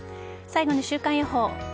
最後に週間予報。